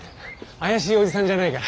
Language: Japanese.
怪しいおじさんじゃないから。